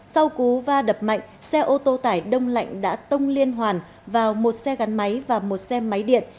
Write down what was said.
sau cú va đập mạnh xe ô tô tải đông lạnh đã tông liên hoàn vào một xe gắn máy và một xe máy điện